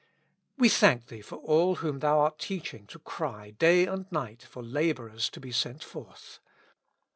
We thank Thee for all whom Thou art teaching to cry day and night for laborers to be sent forth.